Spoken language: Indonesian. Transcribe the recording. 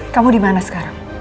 kamu dimana sekarang